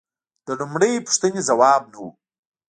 د لومړۍ پوښتنې ځواب نه و